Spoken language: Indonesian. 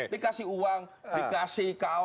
dikasih uang dikasih kaos